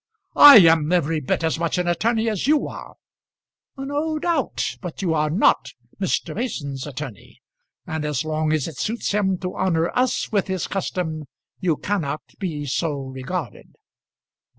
"I am every bit as much an attorney as you are." "No doubt; but you are not Mr. Mason's attorney; and as long as it suits him to honour us with his custom, you cannot be so regarded."